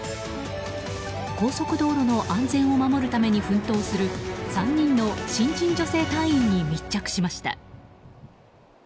高速道路の安全を守るために奮闘する３人の新人女性隊員に密着しました。